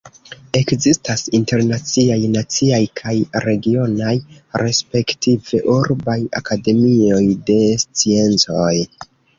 Ekzistas internaciaj, naciaj kaj regionaj respektive urbaj Akademioj de Sciencoj.